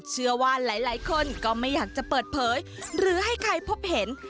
เชื่อว่าหลายคนก็ไม่อยากจะเปิดเผยหรือให้ใครพบเห็น